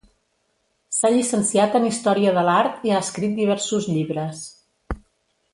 S'ha llicenciat en Història de l'Art i ha escrit diversos llibres.